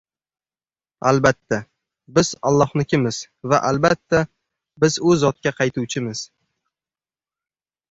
"Albatta, biz Allohnikimiz va albatta, biz U Zotga qaytuvchimiz"